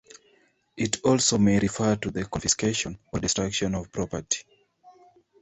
It also may refer to the confiscation or destruction of property.